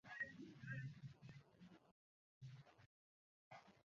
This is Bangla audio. না, আমাকে রেখে যেও না।